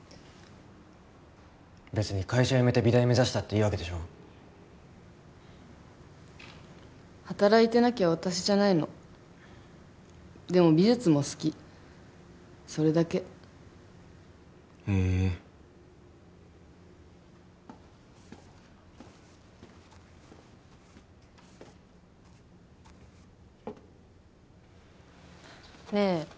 別に会社辞めて美大目指したっていいわけでしょ働いてなきゃ私じゃないのでも美術も好きそれだけへえねえ